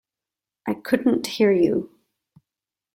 I couldn't hear you.